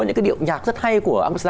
những cái điệu nhạc rất hay của afghanistan